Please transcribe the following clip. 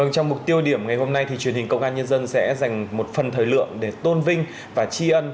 trong mục tiêu điểm ngày hôm nay thì truyền hình công an nhân dân sẽ dành một phần thời lượng để tôn vinh và tri ân